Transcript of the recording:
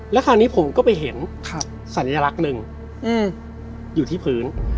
แล้วคราวนี้ผมก็ไปเห็นสัญลักษณ์หนึ่งอยู่ที่พื้น